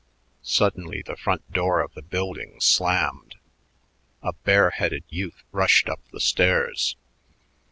Suddenly the front door of the building slammed. A bareheaded youth rushed up the stairs.